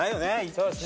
そうですね。